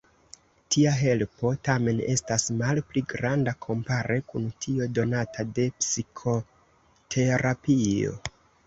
Tia helpo tamen estas malpli granda kompare kun tio donata de psikoterapio.